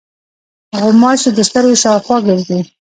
غوماشې د سترګو شاوخوا ګرځي.